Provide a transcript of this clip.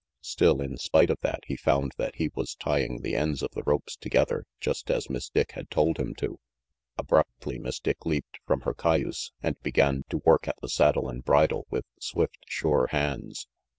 Still, in spite of that, he found that he was tieing the ends of the ropes together, just as Miss Dick had told him to. Abruptly Miss Dick leaped from her cayuse, and began to work at the saddle and bridle with swift, sure hands.